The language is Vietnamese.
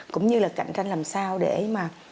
cũng như là cạnh tranh làm sao để mà